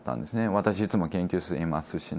私いつも研究室にいますしね。